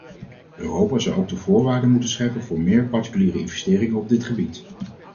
Europa zal ook de voorwaarden moeten scheppen voor meer particuliere investeringen op dit gebied.